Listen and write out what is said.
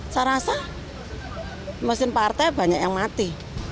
saya rasa mesin partai banyak yang mati